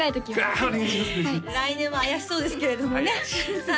来年も怪しそうですけれどもねさあ